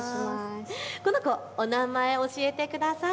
この子、お名前を教えてください。